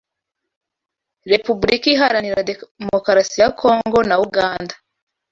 Repubulika Iharanira Demukarasi ya Kongo na Uganda